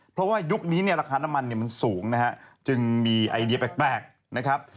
เพราะว่ายุคนี้ราคาน้ำมันสูงนะครับจึงมีไอเดียแปลกนะครับ